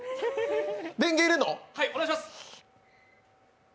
電源入れんの？